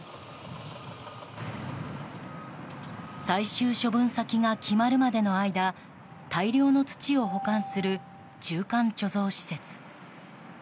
最終処分先が決まるまでの間大量の土を保管する中間貯蔵施設。